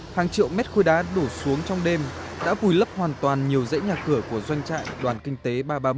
hàng triệu mét khối đá đổ xuống trong đêm đã vùi lấp hoàn toàn nhiều dãy nhà cửa của doanh trại đoàn kinh tế ba trăm ba mươi bảy